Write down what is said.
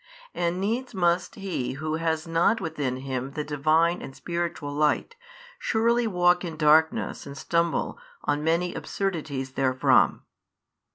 And needs must he who has not within him the Divine and spiritual Light surely walk in darkness and stumble on many absurdities therefrom.